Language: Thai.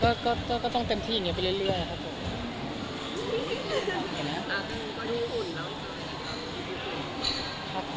ก็อยู่ด้วยก็ต้องเต็มที่อย่างนี้ไปเรื่อยนะครับผม